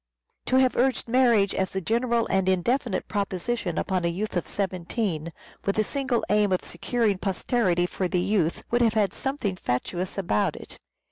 To have urged marriage as a general and indefinite proposition upon a youth of seventeen, with the single aim of securing posterity for the youth, would have had something fatuous about it.